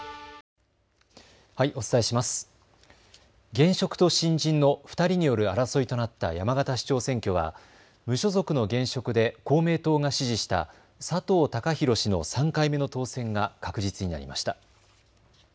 現職と新人の２人による争いとなった山形市長選挙は無所属の現職で公明党が支持した佐藤孝弘氏の３回目の当選が確実になりました。